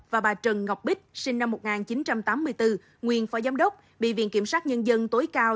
và bà trần ngọc bích sinh năm một nghìn chín trăm tám mươi bốn nguyên phó giám đốc bị viện kiểm sát nhân dân tối cao